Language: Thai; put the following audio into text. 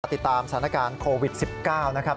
ติดตามสถานการณ์โควิด๑๙นะครับ